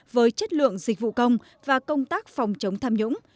với chất lượng dịch vụ công và công tác phòng chống tham nhũng